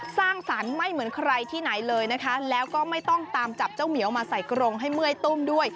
สร้างสรรค์ไม่เหมือนใครที่ไหนเลยนะคะแล้วก็ไม่ต้องตามจับเจ้าเหมียวมาใส่กรงให้เมื่อยตุ้มด้วย